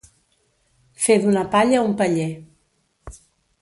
Fer d'una palla un paller.